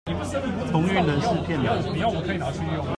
同運人士騙人